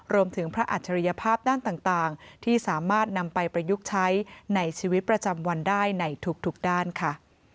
รวมถึงพระอัจฉริยภาพด้านต่างที่สามารถนำไปประยุกต์ใช้ในชีวิตประจำวันได้ในทุกด้านค่ะ